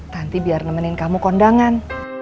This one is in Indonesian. nanti biar nemenin kamu kondangan